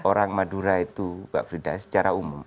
orang madura itu mbak frida secara umum